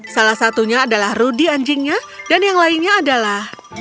salah satunya adalah rudy anjingnya dan yang lainnya adalah